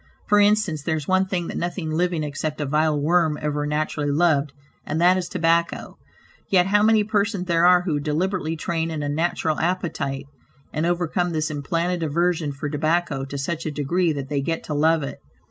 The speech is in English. For instance, there is one thing that nothing living except a vile worm ever naturally loved, and that is tobacco; yet how many persons there are who deliberately train an unnatural appetite, and overcome this implanted aversion for tobacco, to such a degree that they get to love it.